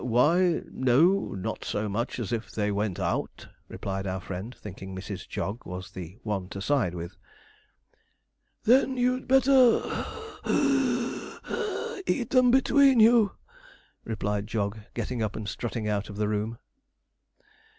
'Why, no, not so much as if they went out,' replied our friend, thinking Mrs. Jog was the one to side with. 'Then you'd better (puff, wheeze, gasp) eat them between you,' replied Jog, getting up and strutting out of the room.